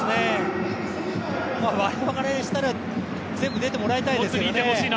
我々からしたら全部出てもらいたいですけどね。